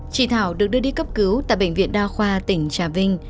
chị thảo được đưa đi cấp cứu tại bệnh viện đa khoa tỉnh trà vinh